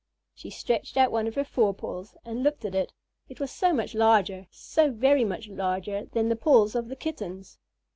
She stretched out one of her forepaws and looked at it. It was so much larger, so very much larger, than the paws of the Kittens.